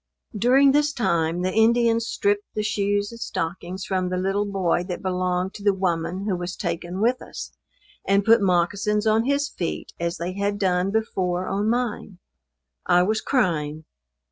During this time, the Indians stripped the shoes and stockings from the little boy that belonged to the woman who was taken with us, and put moccasins on his feet, as they had done before on mine. I was crying.